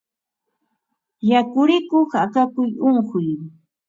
Yakurikuq akakuy unquy